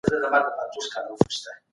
زه به ليکنه کړې وي.